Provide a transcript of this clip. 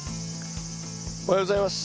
おはようございます。